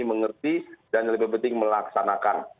dan yang lebih penting melaksanakan